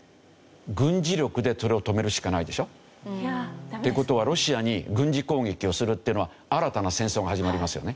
軍事力でそれを止めるしかないでしょ？って事はロシアに軍事攻撃をするっていうのは新たな戦争が始まりますよね。